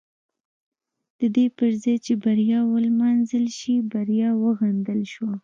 د دې پر ځای چې بریا ونمانځل شي بریا وغندل شوه.